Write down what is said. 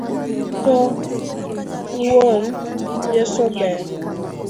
Tho kuon yeso ber.